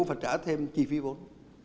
phải trả thêm chi phí vốn